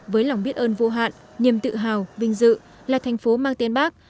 với lòng biết ơn vô hạn niềm tự hào vinh dự là thành phố mang tên bác